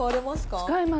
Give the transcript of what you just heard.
使います。